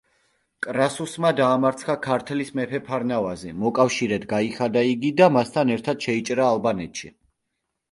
კრასუსმა დაამარცხა ქართლის მეფე ფარნავაზი, მოკავშირედ გაიხადა იგი და მასთან ერთად შეიჭრა ალბანეთში.